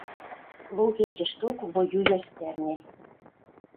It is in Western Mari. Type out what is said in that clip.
Лу кечӹшток воюяш цӓрнен —